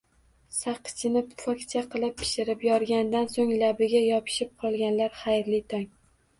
Saqichini pufakcha qilib shishirib, yorgandan so'ng labiga yopishib qolganlar, xayrli tong!